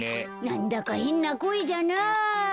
なんだかへんなこえじゃな。